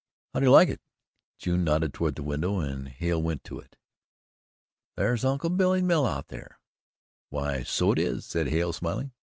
"How do you like it?" June nodded toward the window and Hale went to it. "That's Uncle Billy's mill out thar." "Why, so it is," said Hale smiling.